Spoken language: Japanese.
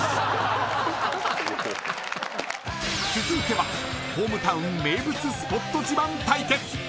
続いてはホームタウン名物スポット自慢対決。